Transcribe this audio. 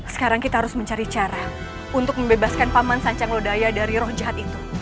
sekarang kita harus mencari cara untuk membebaskan paman sancang lodaya dari roh jahat itu